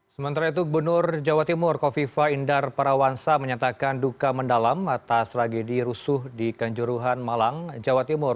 sementara itu gubernur jawa timur kofifa indar parawansa menyatakan duka mendalam atas tragedi rusuh di kanjuruhan malang jawa timur